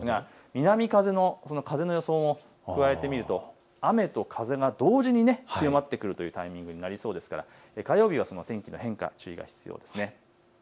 南風の風の予想も加えてみると雨と風が同時に強まってくるというタイミングになりそうですから火曜日の天気の変化、注意が必要です。